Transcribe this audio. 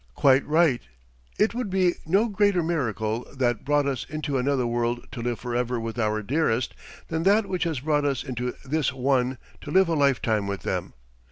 Quite right. It would be no greater miracle that brought us into another world to live forever with our dearest than that which has brought us into this one to live a lifetime with them.